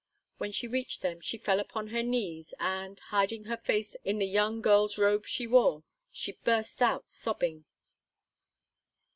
When she reached them, she fell upon her knees, and, hiding her face in the young girl's robe she wore, she burst out sobbing.